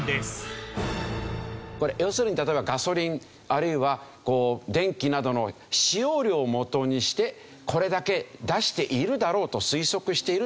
これ要するに例えばガソリンあるいは電気などの使用量をもとにしてこれだけ出しているだろうと推測しているという事ですね。